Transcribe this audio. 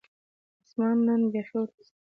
اسمان نن بیخي ور یځ دی